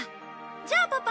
じゃあパパ